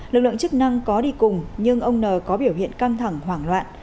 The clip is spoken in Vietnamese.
lực lượng chức năng có đi cùng nhưng ông n có biểu hiện căng thẳng hoảng loạn